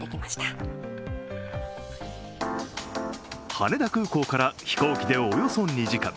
羽田空港から飛行機でおよそ２時間。